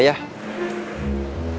mungkin ada fantasy